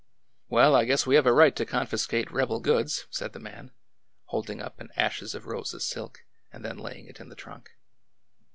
" Well, I guess we have a right to confiscate rebel goods," said the man, holding up an ashes of roses silk and then laying it in the trunk.